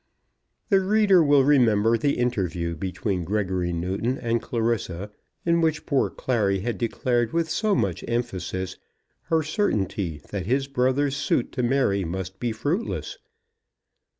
The reader will remember the interview between Gregory Newton and Clarissa, in which poor Clary had declared with so much emphasis her certainty that his brother's suit to Mary must be fruitless.